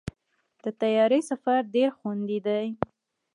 د طیارې سفر ډېر خوندي دی.